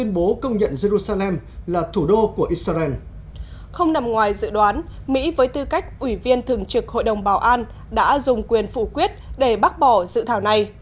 không nằm ngoài dự đoán mỹ với tư cách ủy viên thường trực hội đồng bảo an đã dùng quyền phụ quyết để bác bỏ dự thảo này